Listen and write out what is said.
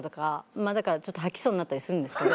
まぁだからちょっと吐きそうになったりするんですけど。